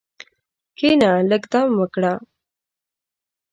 کښېنه، لږ دم وکړه.